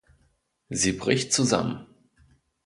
Sie bricht zusammen.